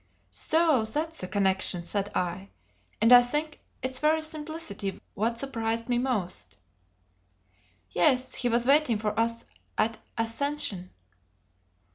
"So that's the connection!" said I; and I think its very simplicity was what surprised me most. "Yes; he was waiting for us at Ascension."